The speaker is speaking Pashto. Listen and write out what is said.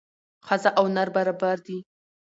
ښځه او نر برابر دي